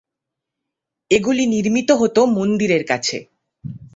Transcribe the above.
এগুলি নির্মিত হত মন্দিরের কাছে।